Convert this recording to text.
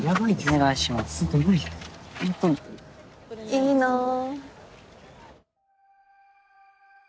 いいなぁ。